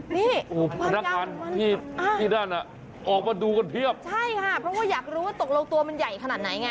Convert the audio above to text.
นี่ความยาวของมันอ่ะใช่ค่ะเพราะว่าอยากรู้ว่าตกโลกตัวมันใหญ่ขนาดไหนไง